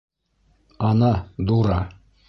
Ана, дура!